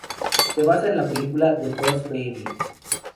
Se basa en la película "The Boss Baby".